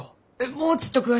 もうちっと詳しく！